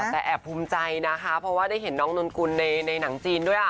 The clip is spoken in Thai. แต่แอบภูมิใจนะคะเพราะว่าได้เห็นน้องนนกุลในหนังจีนด้วย